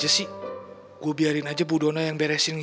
educasinya dari mung